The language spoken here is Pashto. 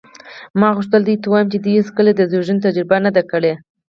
ما غوښتل دې ته ووایم چې دې هېڅکله د زېږون تجربه نه ده کړې.